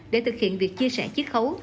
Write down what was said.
để thực hiện việc chia sẻ chiếc khấu